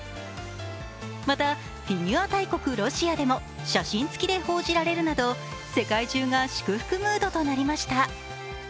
また、フィギュア大国・ロシアでも写真付きで報じられるなど世界中が祝福ムードとなりました。